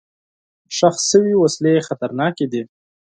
ښخ شوي وسلې خطرناکې دي.